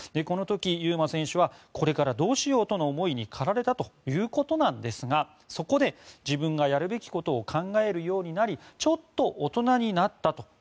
この時、優真選手はこれからどうしようという思いにかられたということですがそこで、自分がやるべきことを考えるようになりちょっと大人になったと。